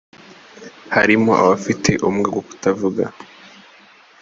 harimo abafite ubumuga bwo kutavuga